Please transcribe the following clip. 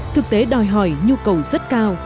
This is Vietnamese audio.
thực tế đòi hỏi nhu cầu rất cao